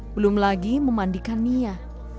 belum lagi memandikan nia